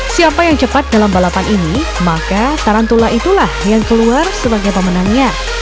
siapa yang cepat dalam balapan ini maka tarantula itulah yang keluar sebagai pemenangnya